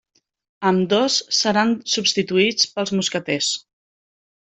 Ambdós seran substituïts pels mosqueters.